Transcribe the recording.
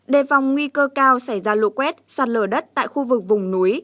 đề phòng nguy cơ cao xảy ra lũ quét sạt lở đất tại khu vực vùng núi